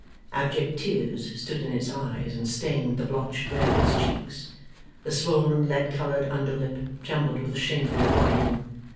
Abject tears stood in its eyes, and stained the blotched red of its cheeks. The swollen lead coloured under lip trembled with a shameful whine.